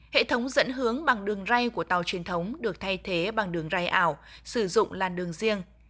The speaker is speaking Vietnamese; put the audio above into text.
hệ thống dẫn hướng bằng đường ray của tàu truyền thống được thay thế bằng đường ray ảo sử dụng làn đường riêng